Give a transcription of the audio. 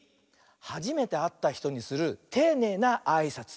はじめてあったひとにするていねいなあいさつ。